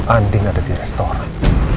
andi ada di restoran